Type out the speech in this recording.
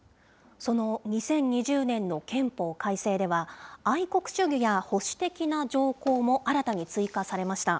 その２０２０年の憲法改正では、愛国主義や保守的な条項も新たに追加されました。